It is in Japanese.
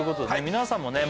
皆さんもね